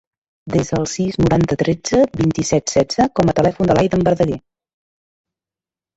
Desa el sis, noranta, tretze, vint-i-set, setze com a telèfon de l'Aiden Verdaguer.